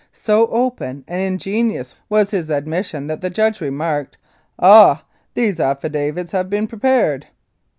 So open and ingenuous was his admission that the judge remarked, "Ah! these affidavits have been prepared."